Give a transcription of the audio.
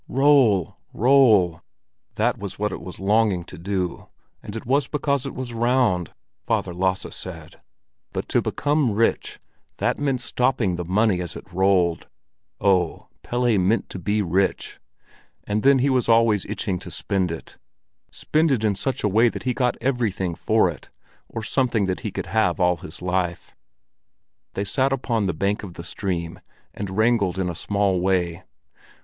Roll, roll! That was what it was longing to do; and it was because it was round, Father Lasse said. But to become rich—that meant stopping the money as it rolled. Oh, Pelle meant to be rich! And then he was always itching to spend it—spend it in such a way that he got everything for it, or something he could have all his life. They sat upon the bank of the stream and wrangled in a small way.